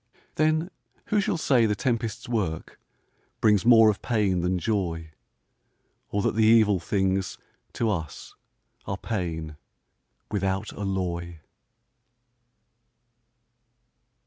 Then who shall say the tempest's work Brings more of pain than joy; Or that the evil things, to us Are pain, without alloy?